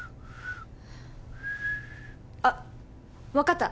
あっ分かった